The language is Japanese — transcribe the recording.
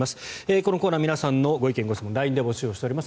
このコーナー皆さんのご意見・ご質問をＬＩＮＥで募集しております。